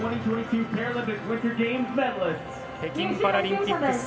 北京パラリンピック